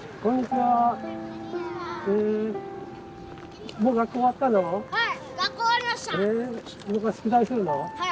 はい。